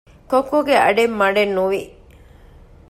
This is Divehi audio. ކޮއްކޮގެ އަޑެއް މަޑެއްނުވި